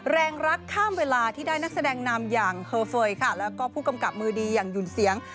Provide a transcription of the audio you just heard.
แรงรักข้ามเวลาที่ได้นักแสดงนำอย่างเฮอร์เฟย์ค่ะแล้วก็ผู้กำกับมือดีอย่างหยุ่นเสียง